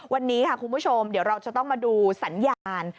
วันนี้ค่ะคุณผู้ชมเดี๋ยวเราจะต้องมาดูสัญญาณ